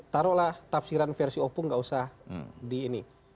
taruhlah tafsiran versi opung nggak usah di ini